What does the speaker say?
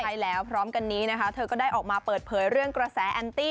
ใช่แล้วพร้อมกันนี้นะคะเธอก็ได้ออกมาเปิดเผยเรื่องกระแสแอนตี้